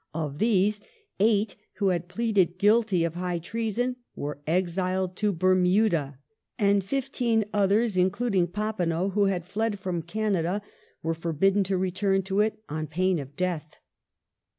Of these, eight, who had pleaded guilty of high treason, were exiled to Bermuda, and fifteen othei s, including Papineau, who had fled from Canada, were forbidden to return to it on pain of death.